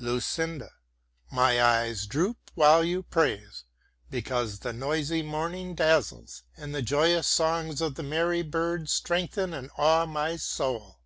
LUCINDA My eyes droop while you praise, because the noisy morning dazzles and the joyous songs of the merry birds strengthen and awe my soul.